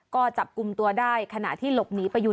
ก็จับกลุ่มตัวได้ขณะที่หลบหนีไปอยู่